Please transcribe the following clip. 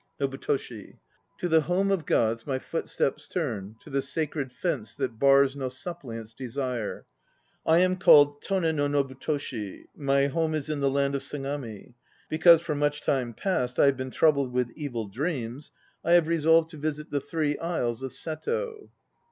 NOBUTOSHI. To the home of gods my footsteps turn To the Sacred Fence that bars No suppliant's desire. I am called Tone no Nobutoshi. My home is in the land of Sagami. Because for much time past I have been troubled with evil dreams, I have resolved to visit the Three Isles of Seto.